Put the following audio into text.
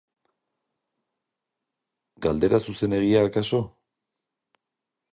Galdera zuzenegia, akaso?